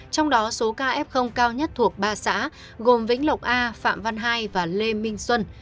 trong đó số ca f cao nhất thuộc ba xã gồm vĩnh lộc a phạm văn hai và lê minh xuân